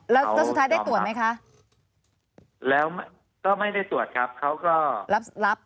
แล้วสุดท้ายได้ตรวจไหมคะแล้วก็ไม่ได้ตรวจครับเขาก็รับรับ